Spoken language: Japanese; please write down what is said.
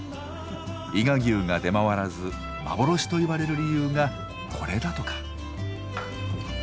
伊賀牛が出回らず幻といわれる理由がこれだとか。